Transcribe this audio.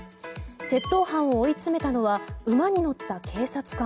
窃盗犯を追い詰めたのは馬に乗った警察官。